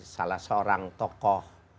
salah seorang tokoh